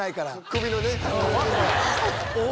首のね。